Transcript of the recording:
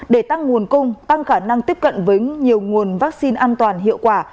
để tăng nguồn cung tăng khả năng tiếp cận với nhiều nguồn vaccine an toàn hiệu quả